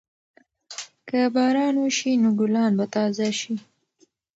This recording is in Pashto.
که باران وشي نو ګلان به تازه شي.